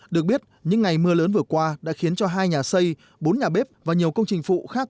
được biết những ngày mưa lớn vừa qua đã khiến cho hai nhà xây bốn nhà bếp và nhiều công trình phụ khác